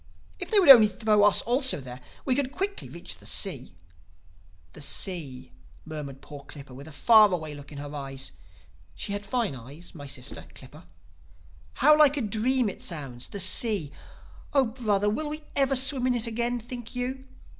If they would only throw us also there, we could quickly reach the sea.' "'The Sea!' murmured poor Clippa with a far away look in her eyes (she had fine eyes, had my sister, Clippa). 'How like a dream it sounds—the Sea! Oh brother, will we ever swim in it again, think you?